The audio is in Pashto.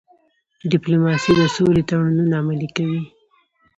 ډيپلوماسي د سولې تړونونه عملي کوي.